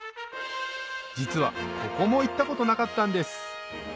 実はここも行ったことなかったんです